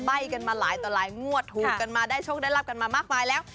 ใบ้กันมาหลายต่อหลายงวดถูกกันมาได้โชคได้รับกันมามากมายแล้ว